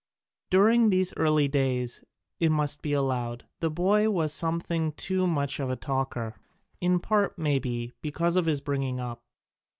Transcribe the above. During these early days, it must be allowed, the boy was something too much of a talker, in part, may be, because of his bringing up.